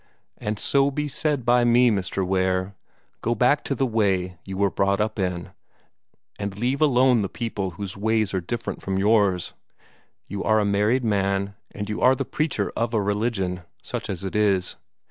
And so be said by me, Mr. Ware! Go back to the way you were brought up in, and leave alone the people whose ways are different from yours. You are a married man, and you are the preacher of a religion, such as it is.